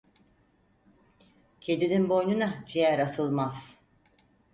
Kedinin boynuna ciğer asılmaz.